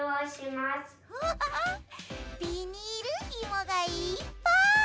わあビニールひもがいっぱい！